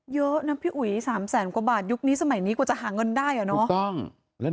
เยอะนะพี่อุ๋ย๓แสนกว่าบาทยุคนี้สมัยนี้กว่าจะหาเงินได้อ่ะเนาะ